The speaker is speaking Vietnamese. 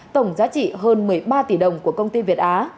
tổng giá trị hơn một mươi ba tỷ đồng của công ty việt á